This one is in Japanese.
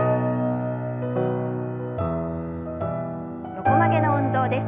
横曲げの運動です。